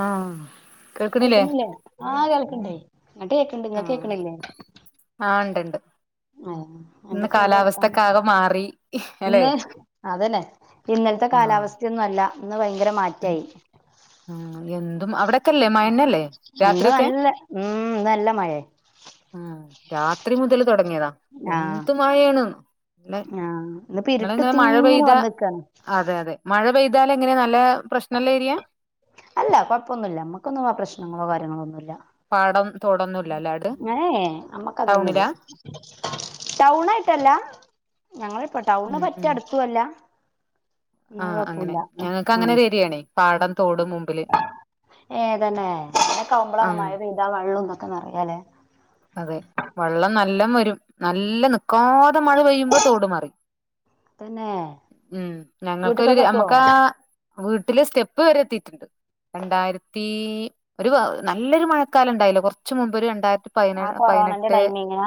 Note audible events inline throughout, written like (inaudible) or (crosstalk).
ആ കേൽക്കുന്നില്ലേ എന്തായി ങ്ങട്ട് കേക്ക്ണ്ട് ഇങ്ങക്ക് ആഹ് കേക്ക്ണില്ലേ ഇണ്ട്ണ്ട് ആ ഇന്ന് എന്തൊക്കെയെണ്ട് കാലാവസ്ഥക്കെ (unintelligible) ആകെ മാറി അല്ലെ ഇന്ന് അതല്ലേ ഇന്നലത്തെ ആഹ് കാലാവസ്ഥയൊന്നും അല്ല ഇന്ന് ഭയങ്കര മാറ്റായി എന്തും അവിടെൊക്കല്ലേ മഴ ന്നല്ലേ ഇന്ന് രാത്രിക്കെ നല്ല ഉം ന്ന് നല്ല മഴയ ഉം രാത്രി മുതൽ തുടങ്ങിയതാ എന്ത് മാഴയാണ് ആ എന്നിപ്പ ഇരുട്ടുത്തിങ്ങനെ പെയ്താ വന്നക്കാണ് അതെ അതെ മഴ പെയ്താാല എങ്ങനെയാ നല്ല പ്രശ്നല്ല രിയ? അല്ല കുഴപ്പൊന്നുല്ല നമ്മുക്കൊന്നും ആ പ്രശ്നങ്ങളോ കാര്യങ്ങളോ ഒന്നുല്ല പാടം തോടൊന്നുല്ല ല്ലേ ആട് ഏ ഏ അമ്മക്ക അതൊന്നുല്ല ടൗണിലാ ടൗണ ആായിട്ടല്ല ഞങ്ങള് ഇപ്പ ടൗണ് ഉം പറ്റ ഉം അടുക്കുവല്ല എന്ന ആഹ് അങ്ങനെ കൊഴപ്പില്ല ഞങ്ങക്ക് അങ്ങനെ ഒരു ഏരിയാണേ പാടം തോടും മുമ്പില് ഏതന്നെ അെ കമ്പളാണ് ആഹ് മഴ പെയ്താ വെള്ളംതൊക്കെ ന്നാലല്ലേ അതെ വെള്ളം നല്ല വരും നല്ല ന നിക്കാതെ മഴ പെയ്യുമ്പോ തോട് മാറി തന്നെ ഉം ഞങ്ങക്കരു വീട്ടക്കൊക്കെ എത്തുവോ നമുക്കാ വീട്ടില് സ്റ്റെപ്പ് വരെ എത്തിയിട്ടുണ്ട് രണ്ടായിരത്തി ഒരു നല്ലൊരു മഴക്കാലം ഉണ്ടായില്ല കുറച്ച മുമ്പ് ഒരു രണ്ടായിരത്തി.... പതിന ആ കൊറോണന്റെ പതിനെട്ട് ടൈമിങ്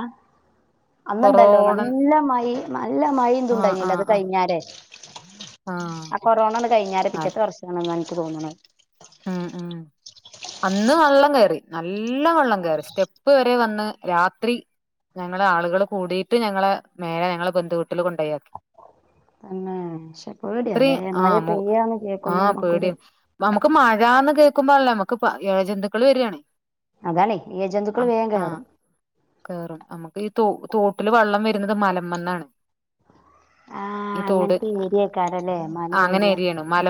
അന്നണ്ടല്ലോ കൊറോണൻ നല്ല മഴ നല്ല മഴ ആഹ് എതുണ്ടായില്ലോ ആഹ് അത് ആഹ് കഴിഞ്ഞരേ അ കൊറോണ കയിഞ്ഞാറേ ആഹ് പിറ്റത്തെ വർഷം.... തോന്നണ് ഉം ഉം അന്ന് വെള്ളം കയറി നല്ല വെള്ളം കയറി സ്റ്റെപ്പ് വരെ വന്ന് രാത്രി ഞങ്ങളെ ആളുകൾ കൂടിയിട്ട് ഞങ്ങളെ മേലെ ഞങ്ങളെ ബന്ധുുവീട്ടിൽ കൊണ്ടയയാക്കി തന്നെ ശെപ്പോടിയല്ലേ ആ മഴ മു പെയ്യന്ന് ആ കേക്കുമ്പോ നമ്മക്കൊരു... കുമ്മല്ലേ നമ്മക്ക് ഇഴജന്തുക്കൾ വരികയാാണ് അതാാണ് ഇഴ ജന്തുക്കള് വേഗം കേറും കേറും നമുക്ക് ഈ തോ തോട്ടില് വെള്ളം വരുന്നത് മലമന്നാണ് ആഹ ഈ തോട് അങ്ങനത്തെ ഏരിയ ക്കാരലേ മല ഏരിയ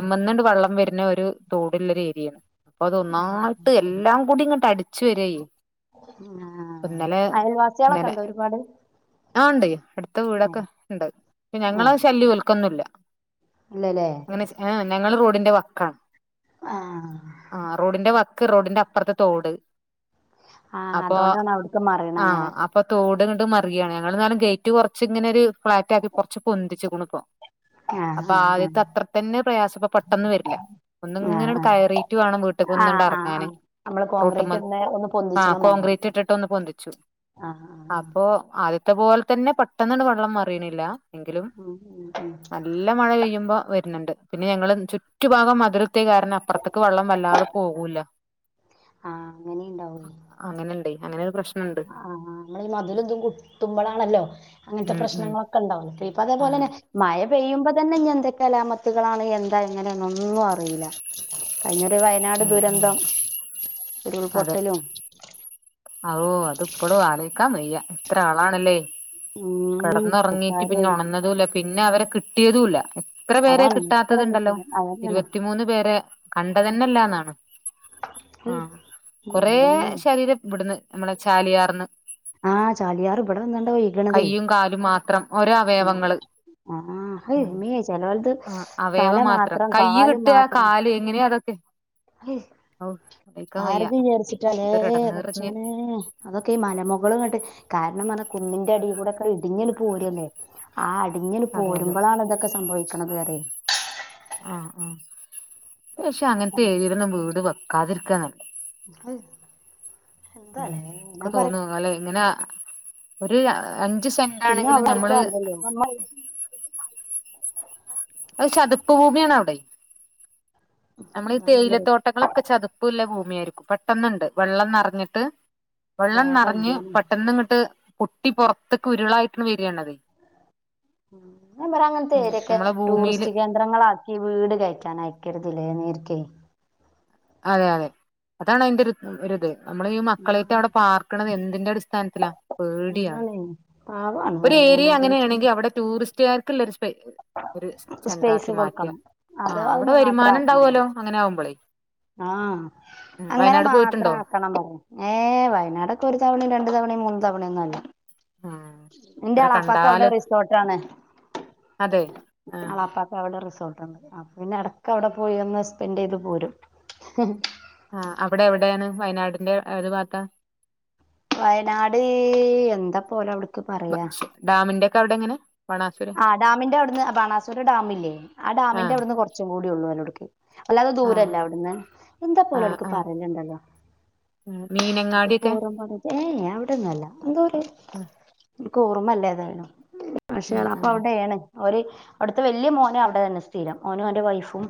ന്നണ്ട് വെള്ളം വരുന്ന ഒരു തോടുള്ളൊരു ഏരിയാ അപ്പൊ അതൊന്നായിട്ട് എല്ലാം കൂടി ഇങ്ങട്ട് അടി ച്ചു വരേ ആ ഇപ്പൊ ഇന്നലെ അയൽവാസികളൊക്കെ ഇന്നലെ ഉണ്ടോ ഒരുപാട് ആഹ ഇണ്ട് അടുത്ത വീടൊക്കെ ഇണ്ട് ഏ ഞങ്ങള ശല്യം ഓൽക്കൊന്നുല്ല ഇല്ലല്ലേ അങ്ങനെ ആ ഞങ്ങള് റോ ഡിന്റെ വക്കാണ് ആ ആ റോഡിന്റെ വക്ക് റോഡിന്റെ അപ്പുറത്തെ തോട് ആ അപ്പൊ അതുകൊണ്ടാണ് അവിടക്ക് മറിയണ അങ്ങനെ ഇണ്ട് മറുകയാണ് ഞങ്ങള്ന്നാലും ഗേറ്റ് കുറച്ച് ഇങ്ങനെ ഒരു ഫ്ളാറ്റ ആക്കികുറച്ചു പൊന്തിച്ച്ക്ക്ണൂ ഒ ആ അപ്പൊ ആ ആ ആദ്യത്തെ അത്ര തന്നെ പ്രയാസം ഇ പെട്ടെന്ന് വരില്ല ഒന്ന് ആ ഇങ്ങനങ്ങ് ആ കയറി വീട്ടുകുന്ന് ആഹ് അങ്ങ് ആഹ് ഇറങ്ങാൻ ആഹ് നമ്മള് കോൺക്രീറ്റ് റോട്ടുമ്മന്നു ഇടുന്ന ഒന്ന് ആ പൊന്തിച്ചണ മാതിരി കോൺക്രീറ്റ് ഇട്ടിട്ട് ഒന്ന് പൊന്തിച്ചു. ആഹ് ആഹ് അപ്പോ ആ ആദ്യത്തെ പോലെ തന്നെ പെട്ടെന്ന് വെള്ളം മാറിയണില്ല എങ്കിലും ആഹ് ഉം ഉം ഉം നല്ല മഴ പെയ്യും വരുന്നുണ്ട് പിന്നെ ഞങ്ങൾ ചുറ്റുഭാഗം മതിലുർത്തിയ കാരണം അപ്പുറത്ത് ക്ക് വെള്ളം വല്ലാതെ പോകൂല്ല ആ അങ്ങനെ ഇണ്ടാവു അങ്ങനെണ്ടേ അങ്ങനെ ഒരു പ്രശ്നണ്ട് ആ നമ്മള ഈ മതിലെന്തും കുത്തുമ്പോളാണല്ലോ അങ്ങനത്തെ ഉം ഉം പ്രശ്നങ്ങളൊക്കെ ഉണ്ടാവുന്നെ അ ഇപ്പ അതേപോലെ ആഹ് തന്നെ മഴ പെയ്യുമ്പോ തന്നെ ഇഞ് എന്തൊക്കലാമത്തുകളാണ് എന്താ എങ്ങനെയൊന്നും അറിയില്ല കഴിഞ ഒരു വയനാട് ആഹ് ആഹ് ദുരന്തം ഉരുൾപൊട്ടലും ആവോ അത് ഇപ്പൊളും ആലോചിക്കാൻ വയ്യ എത്ര ആളാണല്ലേ ഉം കിടന്നിറങ്ങീട്ട് ആൾക്കാര് പിന്നെ ഉണന്നതൂല പിന്നെ അവരെ കിട്ടിയതൂല്ല എത്ര പേരെ അതാണ് ഇത്ര കിട്ടാത്തതുണ്ടല്ലോ പെട്ടത് അതന്നെയാണ് ഇരുപത്തിമൂന്ന് പേരെ കണ്ടതന്നെ ഇല്ലാന്നാണ് ആ കൊറേ ഉം ശരീരം ഇവിടുന്ന് നമ്മളെ ചാലിയാർന്ന് ആഹ് ചാലിയറ് ഇവിടെ വന്നണ്ടാ ഒഴുകനതേ കയ്യും കാലും മാത്രം ഓരോ അവയവങ്ങള് ആ അയ് മേ ചിലോലത് ആഹ് തല അവയവം മാത്രം കയ്യ് കാലും കിട്ടാ മാത്രം കാല് എങ്ങനെയാ അതൊക്കെ ഇഷ് ഔ ആലോയിക്കാൻ വയ്യ ആരദ് വിചാരിച്ചിട്ടാല്ലേ എന്തൊരെടങ്ങേറിഞ്ഞ് കുറച്ചനെ അതൊക്കെ ഈ മലമുകളളുംങ്ങട്ട് കാരണം നാ കുന്നിന്റെ അടി കൂടെൊക്കെ ഇടിഞ്ഞന്ന് പോരുന്ന് ആ അടിഞ്ഞല് അതെ അതെ പോരുമ്പോളാാണ് ഇതൊക്കെ സംഭവിക്കണുന്നത് പറയും ആഹ് ആഹ് പക്ഷെ അങ്ങനത്തെ ഏരിയില വീട് വ കതിർക്കാന അ ഉം ഒക്കെ തോന്നുംല്ലെ ഇങ്ങനെ ഒരു ഏൻ പിന്നെ അവർക്കും അല്ലല്ലോ ന അ ചതുപ്പ് ഭൂമിയണ് അവിടെ നമ്മൾ അതാണല്ലോ തേയിലത്തോട്ടങ്ങളൊക്കെ ചതുപ്പല്ല ബു മി അരിക്കും പെട്ടെന്നുണ്ട് വെള്ളംന്നറഞ്ഞിട്ട് വെള്ളം വേഗം നിറഞ്ഞ് ഇടിയാനും പെട്ടെന്ന ഇങ്ങട്ട് കുട്ടി പുറത്തൊക്കെ ഉരുളായിട്ടൂളിൽ പറ അങ്ങനത്തെ ഉം രിയൊക്കെ നമ്മളെ ഭൂമിയില് ടൂറിസ്റ്റ് കേന്ദ്രങ്ങളാക്കി വീട് കഴിക്കാൻ അയക്കരുതില്ലേ നേരി ക്കെ അതെ അതെ അതാണ് അതിന്റെ ഒരിത് നമ്മൾ ഈ ആ മക്കളെ അവിടെ പാർക്കണത് എന്താടി സ്ഥാനത്തില്ല പേടിയാണ് അതാണ് പാവാണ് ഒരു പറയാ ഞാൻ ഏരിയ ആലോചിച്ചു അങ്ങനെയാണെങ്കിൽ അവിടെ ടൂറിസ്റ്റുകാര് കില്ലര് ഒരു സ്പേസ് സേണ്ടറാക്കി മാറ്റിയ കൊടുക്കണം ആ അത് അത് അവിടെ വരുമാനം ഉണ്ടാവുല്ലോ അങ്ങനെ ആവുമ്പോളേ ആ ഉം അങ്ങനെ വയനാട് മാത്ര പോയിട്ടുണ്ടോ ആക്കണം പറയാ ഏ വയനാടൊക്കെ ഒരു തവണയും രണ്ടു തവണയും മൂന്ന് തവണ എങ്ങാണ്ട് ആഹ് എന്റെ എത്ര എളാപ്പക്ക് അവിടെ കണ്ടാല് റിസോർട്ടാണ് അതെ ആഹ് ആളാപ്പക്ക് അവിടെ റിസോർട്ട് ഉണ്ട് ആ പിന്നെ ഇടക്ക അവിടെ പോയി ഒന്ന് സ്പെൻഡ് ചെയ്ത് പോരും ഹ ആ അവിടെ എവിടെയാണ് വയനാടിന്റെ ഏത് പാത്ത വയനാട് എന്താ പോല അവിടക്ക് പറയാ ഡാമിന്റെ അവിടെ എങ്ങനെ ബാണാസുര ആ ഡാമിന്റെ അവിടുന്ന് ബാനാസുര ഡാമില്ലേ ആ ഡാമിന്റെ ആഹ് അവിടുന്ന് കുറച്ചും കൂടി ഉള്ളൂവനടുക്ക് അല്ലാതെ ആഹ് ദൂരല്ല അവിടന്ന് എന്താ പോല ആഹ് അവിടുക്ക് ആഹ് പറലണ്ടല്ലോ മീനങ്ങാടിയൊക്കെ പോറ പറ ഏയ് അവിടന്നല്ല എന്തോര് ഉം കുർമല്ലത് താനും ഉം പക്ഷെളാ അ ഉം അവിടെയാണ് ഒരു അവിടുത്തെ വല്ല്യ മോനും അവിടെയാണ് സ്ഥിരം അവനും അവന്റെ വൈഫും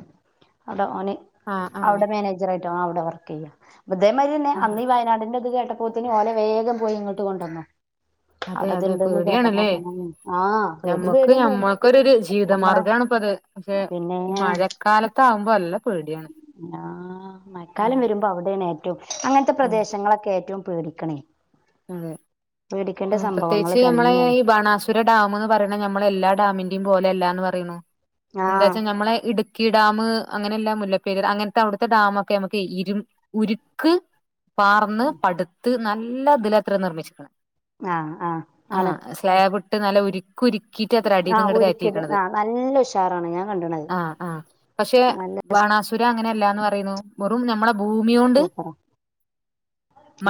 അവന് ആഹ് ആഹ് അവിടെ മാനേജറാ ട്ടാ അവിടെ വർക്ക്‌ ചെയ്യാ അതേമാതിരി തന്നെ ആഹ് അന്നീ വയനാടിന്റെയൊക്കെ കേട്ടപ്പൊ (unintelligible) വേഗം പോയി ഇങ്ങോട്ട് കൊണ്ടുന്നോ അതെ അവിടത് അതെ ഇണ്ടെന്ന് കേട്ടപ്പോ പേടിയാണല്ലേ കൊണ്ടുവന്നു ആ ഞമ്മക്ക് ഞമ്മക്കൊരു ജീവിതമാർഗമാണ് ഇപ്പൊ അത് പക്ഷേ പിന്നെ ഈ മഴക്കാലമൊക്കെ ആകുമ്പോ നല്ല പേടിയാണ് മാറ്റും അങ്ങനത്തെ ഉം പ്രദേശങ്ങളൊക്കെ ഏറ്റവും പേടിക്കണേ അതെ പേടിക്കേണ്ട സംഭവങ്ങൾ പ്രതേകിച്ചു നമ്മളീ തന്നെയാണ് ബണാസുര ഡാമെന്ന് പറ ഞ്ഞാ നമ്മളെല്ലാ ഡാമിന്റെയ്യും പോലെ അല്ലാന്നു പറയണു ആഹ് എന്താച്ചാ നമ്മള് ഇടുക്കി ഡാമ് അങ്ങനെയുള്ള മുല്ലപ്പെരിയാർ അങ്ങനത്തെ അവിടത്തെ ഡാമൊക്കെ നമുക്കേ ഇരുമ്പ് ഉരുക്ക് പാർന്നു പടുത്ത് നല്ല ബലത്തിലാ നിർമിച്ചേക്കണേ ആ ആ ആണ് ട്ട് നല്ല ഉരു കുരിക്കിട്ടാ അത്രേ ആ അടീന്ന് ഇങ്ങട്ട് ഒരുക്കിയത് കേറ്റിയേക്കണത് ആ നല്ല ഉഷാറാണ് ഞാൻ കണ്ടണത് ആ ആ പക്ഷേ നല്ല ബാണാസുര അങ്ങനെ ഇല്ലാന്നു പറയുന്നു വെറും നമ്മടെ ഭൂമി കൊണ്ട് സൂപ്പറാ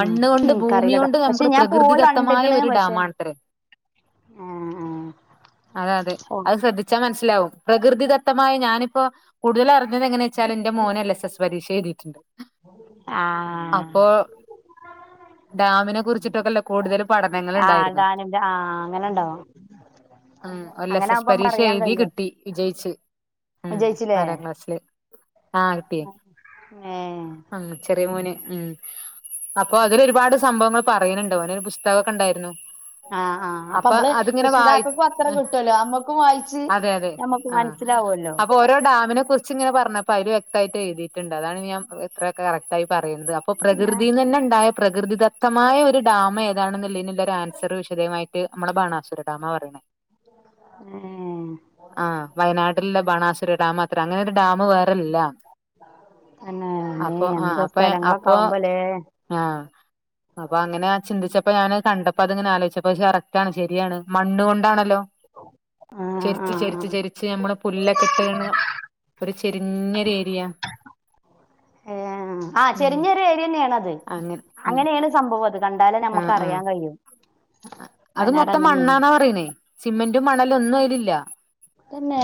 ഉം അത് ഭൂമി നിനക്കറിയില്ലട്ടോ കൊണ്ട് പക്ഷെ നമ്മക്ക് ഞാൻ പ്രകൃതി പോയി ത ശക്തമായ കണ്ടിക്കണ് ഒരു പക്ഷെ ഡാമാണത്രേ ആ ആ അതെ അതേ ഓ അത് ശ്രെദ്ധിച്ച മ ലോ പ്രകൃതിദത്തമായ ഞാനിപ്പോ കൂടുതലറിഞ്ഞത് എങ്ങനാവെച്ചാല് എന്റെ മോന് എൽ എസ് എസ് പരീക്ഷ എഴുതിയിട്ടിണ്ട് ആ അപ്പോ ഡാമിനെ കുറിച്ചിട്ടൊക്കെയുള്ള കൂടുതലും ആ പഠനങ്ങളുണ്ടാരുന്നു ഡാനിന്റെ ആ അങ്ങനെ ഉണ്ടാവും ആ എൽ എസ് അങ്ങനെ എസ് ആകുമ്പോ നമുക്ക് പരീക്ഷ അറിയാൻ എഴുതി കഴിയും കിട്ടി വിജയിച്ചില്ലേ നാലാം ക്ലാസില് ആ കിട്ടി ഏ ഉം ചെറിയ മോന് ഉം അപ്പൊ അതിനൊരുപാട് സംഭവങ്ങൾ പറയാൻ ഉണ്ട് ഒരേ - തേവകേണ്ടാരുന്നു ആ നമ്മള് രക്ഷിതാക്കൾക് അത്രേ കിട്ടുലോ നമ്മൾക്കുംവായിച്ചു അതെ അതെ നമ്മക്ക് ആഹ് മനസിലാകുല്ലോ അപ്പൊ ഓരോ ഡാമിനെ കുറിച്ച് ഇങ്ങനെ പറഞ്ഞപ്പോ അതില് വ്യക്തായിട് എഴുതിട്ടിണ്ട് അതാണ് ഞാൻഇത്രയൊക്കെ കറക്റ്റ് ആയി പറഞ്ഞത് ആയിട്ട് പോ എന്ത്‌ ഞാ പ്രകൃതന്നുതന്നെണ്ടായ പ്രകൃതിത്തമായ ഒരു ഡാമായിരുന്നു ആൻസർ വി (unintelligible) ട്ടായിട്ട് (unintelligible) നമ്മള ബാണാുര ഡാമ പറയണേ ഏ ആഹ വയനാട്ട- എല്ലാ ബണാസുര ഡാം മാത്രം അങ്ങന ഡാം വേറെ ഇല്ല തന്നെ നീ അപ്പൊ ആ എന്താ സ്ഥലങ്ങളൊക്കെ ആവുമ്പോലേ അങ്ങനെ ചിന്തിച്ചിട്ടില്ല അപ്പൊ ഞാന്ൻ കണ്ടപ്പോ അത്ങ്ങനെ ആലോചിച്ചപ്പ കറക്റ്റ് ആാണ് ശരിയാണ് മണ്ണണ് കൊണ്ടാണല്ലോ ആ ആ ചെരിച്ചു, ആ ചെരിച്ചു നമ്മുടെ പുല്ലൊക്കെ ഒരു ചെരിഞ്ഞൊരു ഏരിയ ഏ ആ ഉം ചെരിഞ്ഞൊരു ഏരിയ തന്നെയാാണ്ത് അങ്ങനെ ഉം അങ്ങനെയാണ് സംഭവം അത് കണ്ടാ - എന്തായാലും ആഹ് ആഹ് നമുക്ക്റിയൻ കഴിയും അത് വയനാട് മൊത്തം അങ്ങനെയാണ് മണ്ണാന്നാ പറയണേ സിമെന്റ മണ്ണെല്ലാം ഒന്നും അതിലില്ല ഇല്ലാ തന്നെ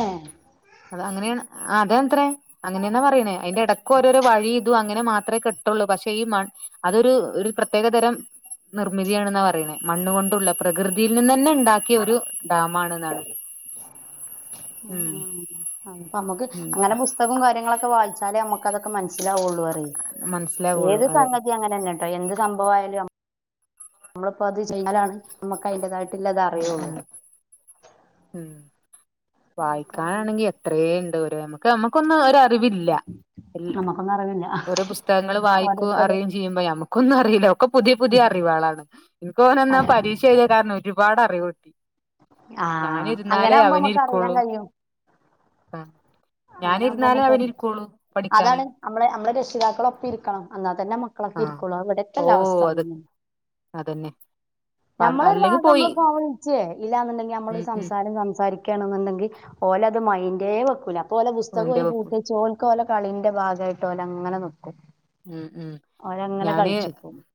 അത അങ്ങനെയാണ് ആ അതത്രേ അങ്ങനെന്നാ പറയണേ അതിന്റെ ഇടയ്ക്ക് ഓരോരോ വഴി ഇതു അങ്ങനെ മാത്രമേ കിട്ടുള്ളൂ പക്ഷെ ഈ മൺ അതൊ പ്രത്യേക തരം നിർമ്മിതിയണെന്നാ പറയുന്നത് മണ്ണണ് കൊണ്ടുള്ള പ്രകൃതിയിൽ നിന്ന് തന്നെ ഉണ്ടാക്കിയ ഒരു ഡാം ആണ എന്നാണ് ഉം നമുക്ക് ഉം അങ്ങനെ പുസ്തകം കാര്യങ്ങളൊക്കെ വായിച്ചാലേ നമ്മുക്ക് അതൊക്കെ മനസ്സിൽ ആയി ഉള്ളൂ മനസ്സിലാവുള്ളൂ ഏത് അതെ സംഗതി അങ്ങനെ തന്നെ കേട്ടോ എന്ത് സംഭവയാലും നമ്മളിപ്പോ അത് ചെയ്യാലാണ് നമുക്ക് അതിന്റിതായിട്ടുള്ള ഉം ഉം ഉം വായിക്കാനാണെങ്കി എത്രയ ഉണ്ട് (unintelligible) നമുക്കൊന്നും ഒരു അറിവില്ല നമ്മുക്കൊന്നും അറിവില്ല ഓരോ പുസ്തകങ്ങൾ വായിക്ക ഓരോരുത്തര് അറിയയും ചെയ്യുമ്പോ നമുക്ക് ഒന്നും അറിയില്ല ഒക്കെ പുതിയ പുതിയ അറിവാളാണ് എനിക്ക് ഓനാ അതെ പരീക്ഷ കാരണം അറിവ് കിട്ടി ആഹ ഞാനിരുന്നാലേ അങ്ങനൊവകുമ്പോ നമ്മുക്ക് അറിയാൻ കഴിയും ആഹ അങ്ങനെ ആകുമ്പോക്ക പഠിക്കാന് അതാണ് നമ്മെ നമ്മളെ രക്ഷിതാക്കളൊക്കെ ഇരിക്കണം എന്നാ തന്നെ മക്കളൊക്കെ ആഹ് ഇരിക്കൊുള്ളു ഓ അവിടത്തെല്ല അവസ്ഥ അത് അതന്ന അതന്നെ നമ്മളൊരു അല്ലെങ്കി പോയി നമ്മള് പോിച്ചേ ഇല്ലാന്നുണ്ടെങ്കിൽ ഉം നമ്മളരു ഉം സംസാരം സം ണ്ടെങ്കിൽ ഓലത് മൈന്റേവെക്കൂല. ഇതുപോലെ പുസ്തകം ഓന്റെ ഒരു വെക്കും പൂട്ടിച്ചോ? ലെ കളിന്റെ ഭാഗമായിട്ട് ഓലങ്ങനെ നിൽക്കു ഉം ഉം ഞാന്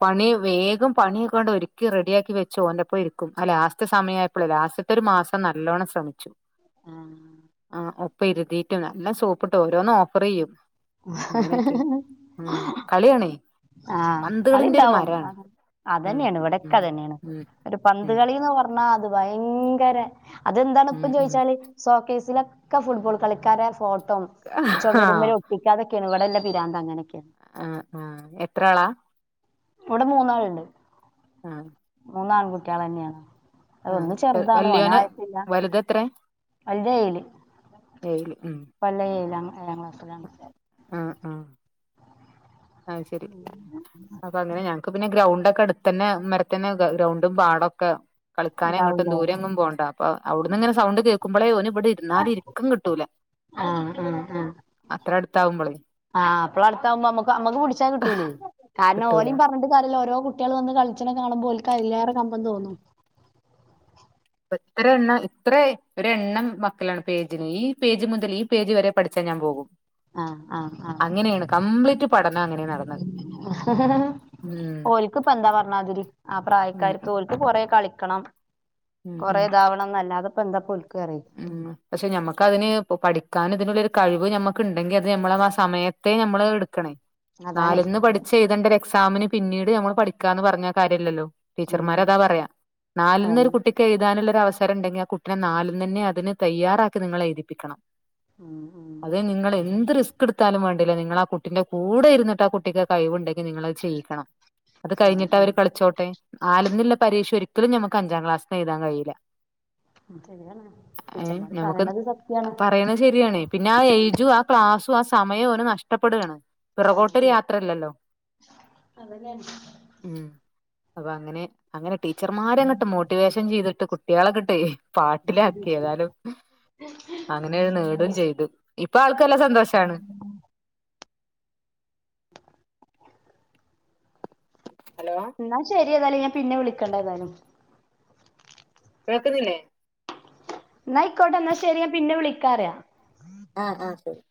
പണി വേഗം പണിയൊക്കണ്ട് ഒരിക്കി റെഡിയ ആക്കി വെച്ചു ഓന്റെപ്പോ ഇരിക്കും. ആ ലാസ്റ്റ് സമയപ്പോ ലാസ്റ്റ ഒരു മാസം നല്ലോണ്ണം ശ്രമിച്ചു. ഉം ഒപ്പ ഇരുതിട്ടും നല്ലാം സോപ്പിട്ട് ഓരോന്നും ഓഫർ ചെയ്യും. അങ്ങനെയൊക്കെ ഉം കളിയാണ് ആ പന്തുകളിന്റെ ഒരു കളിയുണ്ടാവും. മരാണ് ഉം അതന്നെയാണ്. ഇവിടക്കെ ഉം അതന്നെയാണ് ഉം ഒരു പന്ത് ഉം കളിന്ന് പറഞ്ഞ ആ അത് ഭയങ്കര അതെന്താണ് ഇപ്പ ഉം ഉം ചോദിച്ചാല് സോകേസിലക്കെ ഒക്കെ ഫുട്ബോൾ കളിക്കാരുടെ ഫോ ക്കും. ആഹ് ചെവിരുമേൽ കെടു വല്ലേപിരാന്ത് അങ്ങനെ ആ ആ എത്ര ആളാ? ഇവിടെ മൂന്നാളുണ്ട്. ആ മൂന്ന് ആൺ കുട്ടികള് തന്നെയാണ്. ആ ഒന്ന് ചെറുതാണ് വല്യോനെ ഓനായിട്ടില്ല വലുത എത്രേ? ഉം (unintelligible) ഏഴാം ഏഴാംക്ലസ്സിലാണ്. ആ ആ ആശരി അപ്പൊ അങ്ങനെ ഞങ്ങക്ക് പിന്നെ ഗ്രൗണ്ട് ക്കെ അടുത്ത് തന്നെ മരതിനെ ഗ്രൗണ്ടും പാടൊക്കെ കളിക്കാനുംങ്ങട്ടും ഉണ്ടാവൂലേ ദൂരെ എങ്ങുപോകണ്ട അപ്പ അവിടന്ന് ഇങ്ങനെ സൗണ്ട് കേ കുമ്മളയോനു ഇവിടെ ഇരുന്നാല ഇരിക്കും കിട്ടൂല. ആഹ് ആഹ് ആഹ് അത്ര അടുത്താവുമ്പോളെ അടുത്താവുമ്പംനമ്മ നമ്മുക്ക് പിടിച്ചാൽ കിട്ടൂലേ? കിട്ടൂല കാരണംഓലും പറഞ്ഞിട്ട് കാര്യമില്ല ഓരോ കുട്ടികൾ വന്ന് കളിച്ചണെ കാണുമ്പോ (unintelligible) കമ്പം തോന്നു ഇപ്പ ഇത്ര എണ്ണം ഇത്ര ഒ എണ്ണം മക്കളാണ് പേജിന് ഈ പേജ് മുതൽ ഈ പേജ് വരെ പഠിച്ചാൽ ഞാൻ പോകും. ആ ആ ആ ആ അങ്ങനെയാണ് കംപ്ലീറ്റ് പഠനം അങ്ങനെ നടന്നത് ഉം ഓരിക് ഇപ്പ എന്താ പറഞ്ഞാതിരി ആ ഉം പ്രായക്കാർക്ക് ഓക്ക് കൊറെ കളിക്ക ക്കണം. ഉം കൊറെേ ഉം ഇതാവണംന്നല്ല അത് (unintelligible) ഉം പക്ഷെ നമ്മക്കതിന് ഇപ്പോ പഠിക്കാൻ ഇതിനുള്ളേ കഴിവ് നമ്മക്ക ഉണ്ടെങ്കി അത് നമ്മളത് ആ സമയത്തെ നമ്മള് എടുക്കണേ അതാണേ നാലിന്ന് പഠിച്ച എഴുതേണ്ടേ എക്സാമിന് പിന്നീട് നമ്മൾ പഠിക്കാന്ന് പറഞ്ഞ കാര്യല്ലല്ലോ ഉം ടീച്ചർമാരതാ പറയാ അതന്നെ നാലിന്നൊരു കുട്ടിക്ക് എഴുതാനല്ല അവസരം ഉണ്ടെങ്കി ആ കുട്ടിനെ നാല് നെന്നെ അതിന് തയ്യാറാക്കി നിങ്ങളേഴുതിപ്പിക്കണം ഉം ഉം അതെ നിങ്ങളേന്ത് റിസ് സ്ക്ക് എടുത്താലും വേണ്ടില്ല നിങ്ങളാകുട്ടിന്റെ കൂടെ ഇരുന്നട്ട് ആ കുട്ടിക്ക് കഴിവുണ്ടെങ്കിൽ നിങ്ങളത് ചെയ്യിക്കണം അത് ഉം കഴിഞ്ഞിട്ട് ഉം അവര് കളിച്ചോട്ടെ ആലന്നുള്ള പരീക്ഷ ഒരിക്കലും ഞമ്മുക്ക് അഞ്ചാം ക്ലാസ്സിന്ന് എഴുതാൻ കഴിയില്ല ശരിയാണ് ഏ ടീച്ചർമാര് നമുക്കത് പറയണത് സത്യാണ് പറയണെശരിയാണ് പിന്നെ ആ ഏജും ആ ക്ലാസു ആ സമയം അവിടെനഷ്ടപ്പെടുകണ് പിറകോട്ടൊരു യാത്രയല്ലല്ലോ ഉം അപ്പ അങ്ങനെ അങ്ങനെ ടീച്ചർമാരെ അങ്ങട്ട് മോട്ടിവേഷൻ ചെയ്തിട്ട് കു കുട്ട്യാളെ കിട്ടെ പാ വീട്ടിലാക്കി ഏതായാലും അങ്ങനെ നേടും ചെയ്ത് ഇപ്പാൾ ക്ക് നല്ല സന്തോഷാണ് ഹലോ എന്നാ ശരി നി ഏതാലും ഞാൻ പിന്നെ വിളിക്കണ്ട് ഏതാലും കേക്കുന്നില്ലേ എന്നായിക്കോട്ടെ എന്നാ ശരി ഞാൻ പിന്നെ വിളിക്കാറയ ആ ആ ശരി